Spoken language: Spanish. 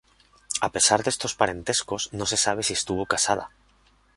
A pesar de estos parentescos, no se sabe si estuvo casada.